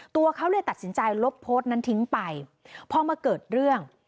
ตัวเขาเลยตัดสินใจลบโพสต์นั้นทิ้งไปพอมาเกิดเรื่อง